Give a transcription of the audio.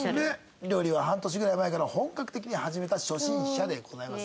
料理は半年ぐらい前から本格的に始めた初心者でございます。